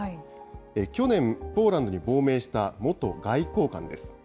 去年、ポーランドに亡命した元外交官です。